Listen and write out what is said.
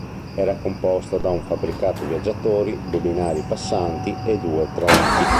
Era composta da un fabbricato viaggiatori due binari passanti e due tronchi.